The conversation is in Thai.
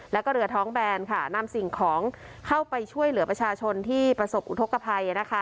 แล้วก็เรือท้องแบนค่ะนำสิ่งของเข้าไปช่วยเหลือประชาชนที่ประสบอุทธกภัย